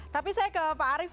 tapi saya ke pak arief